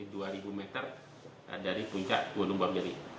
jadi dua ribu meter dari puncak